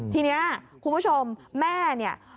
ทีนี้คุณผู้ชมแม่เนี่ย